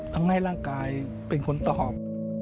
ทำให้ร่างกายเป็นคนตอบ